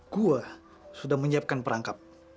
gue sudah menyiapkan perangkap